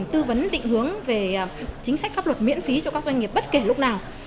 tư vấn định hướng về chính sách pháp luật miễn phí cho các doanh nghiệp bất kể lúc nào